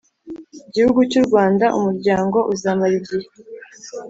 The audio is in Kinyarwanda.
Gihugu cy u rwanda umuryango uzamara igihe